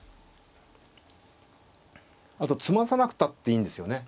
あと詰まさなくたっていいんですよね。